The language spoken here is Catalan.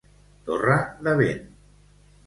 Torre de vent.